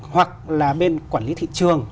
hoặc là bên quản lý thị trường